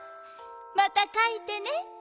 またかいてね」。